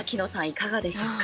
いかがでしょうか？